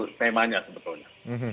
itu temanya sebetulnya